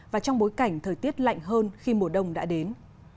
và trong bối cảnh thời tiết lạnh hơn khi mùa đông đã đến